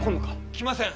来ません。